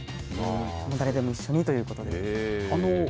誰でも一緒にということで。